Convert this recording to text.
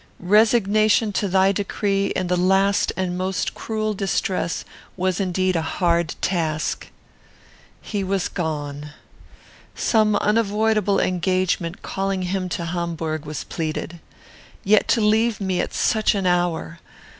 Resignation to thy decree, in the last and most cruel distress, was, indeed, a hard task. "He was gone. Some unavoidable engagement calling him to Hamburg was pleaded. Yet to leave me at such an hour!